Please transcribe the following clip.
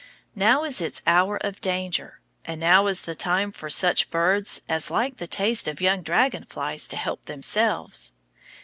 Now is its hour of danger, and now is the time for such birds as like the taste of young dragon flies to help themselves.